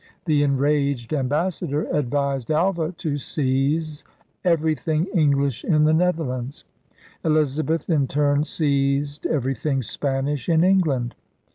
The enraged ambassador advised Alva to seize every thing English in the Netherlands. Elizabeth in turn seized everything Spanish in England.